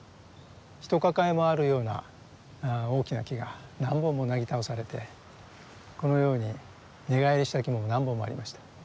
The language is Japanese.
ひと抱えもあるような大きな木が何本もなぎ倒されてこのように根返りした木も何本もありました。